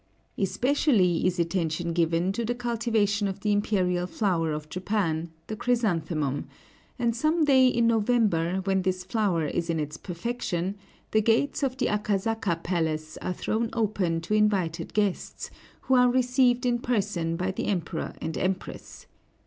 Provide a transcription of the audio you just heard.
Especially is attention given to the cultivation of the imperial flower of Japan, the chrysanthemum; and some day in November, when this flower is in its perfection, the gates of the Akasaka palace are thrown open to invited guests, who are received in person by the Emperor and Empress.